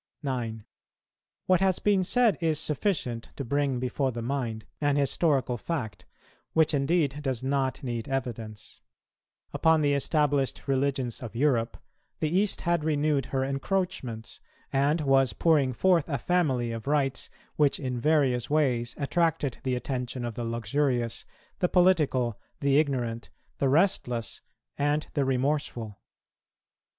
9. What has been said is sufficient to bring before the mind an historical fact, which indeed does not need evidence. Upon the established religions of Europe the East had renewed her encroachments, and was pouring forth a family of rites which in various ways attracted the attention of the luxurious, the political, the ignorant, the restless, and the remorseful.